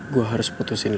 gua harus putusin lu